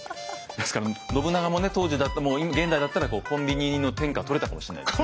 ですから信長もね当時だったら現代だったらコンビニの天下を取れたかもしれないですね。